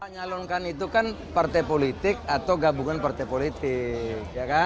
nyalonkan itu kan partai politik atau gabungan partai politik